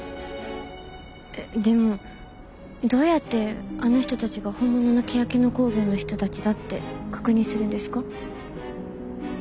えっでもどうやってあの人たちが本物のけやき野興業の人たちだって確認するんですか？